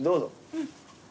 うん。